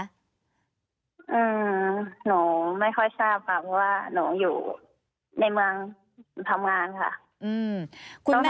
หนูไม่ค่อยทราบค่ะเพราะว่าหนูอยู่ในเมืองทำงานค่ะ